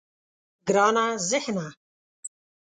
گرانه ذهنه.